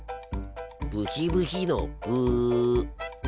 ブヒブヒのブ。